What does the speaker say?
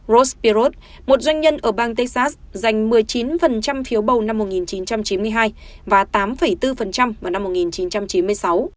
rospirut một doanh nhân ở bang texas giành một mươi chín phiếu bầu năm một nghìn chín trăm chín mươi hai và tám bốn vào năm một nghìn chín trăm chín mươi sáu